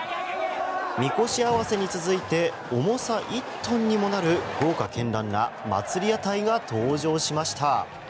みこし合わせに続いて重さ１トンにもなる豪華絢爛な祭り屋台が登場しました。